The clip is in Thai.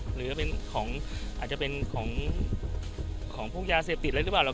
หรือจะเป็นของอาจจะเป็นของพวกยาเสพติดอะไรหรือเปล่า